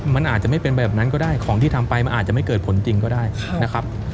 มันอาจจะไม่เป็นแบบนั้นก็ได้ของที่ทำไปมันอาจจะไม่เกิดผลจริงก็ได้นะครับ